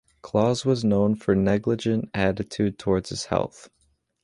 Claus was known for negligent attitude towards his health.